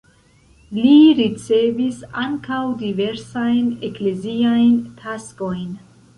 Li ricevis ankaŭ diversajn ekleziajn taskojn.